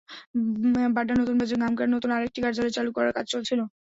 বাড্ডা নতুন বাজারে গামকার নতুন আরেকটি কার্যালয় চালু করার কাজ চলছিল।